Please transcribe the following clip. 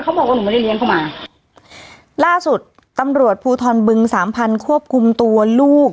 บอกว่าหนูไม่ได้เลี้ยงเข้ามาล่าสุดตำรวจภูทรบึงสามพันควบคุมตัวลูก